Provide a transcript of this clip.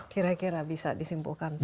kira kira bisa disimpulkan seperti itu